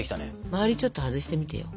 周りちょっと外してみてよ。